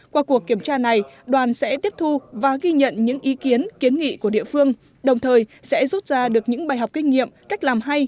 qua cuộc kiểm tra này đoàn sẽ tiếp thu và ghi nhận những ý kiến kiến nghị của địa phương đồng thời sẽ rút ra được những bài học kinh nghiệm cách làm hay